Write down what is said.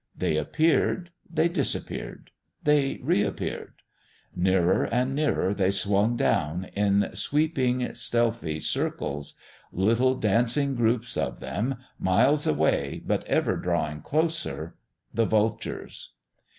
They appeared, they disappeared, they reappeared. Nearer and nearer they swung down, in sweeping stealthy circles ... little dancing groups of them, miles away but ever drawing closer the vultures....